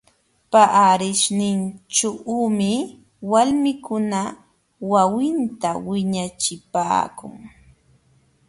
Paarishninćhuumi walmikuna wawinta wiñachipaakun.